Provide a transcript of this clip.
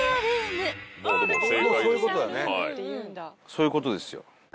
そういうことですよ。